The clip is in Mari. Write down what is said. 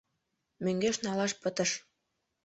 — Мӧҥгеш налаш пытыш!